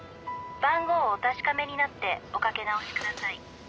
「番号をお確かめになっておかけ直しください」